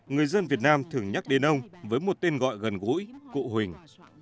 người dân việt nam thường nhắc đến ông với một tên gọi gần gũi cụ huỳnh